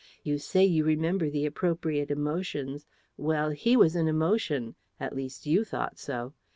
You say you remember the appropriate emotions. Well, he was an emotion: at least, you thought so.